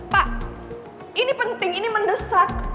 pak ini penting ini mendesak